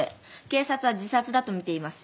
警察は自殺だとみています。